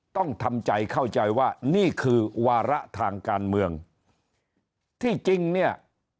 ต้องทำใจเข้าใจว่านี่คือวาระทางการเมืองที่จริงเนี่ย